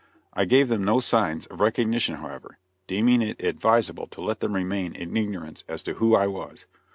I gave them no signs of recognition however, deeming it advisable to let them remain in ignorance as to who I was.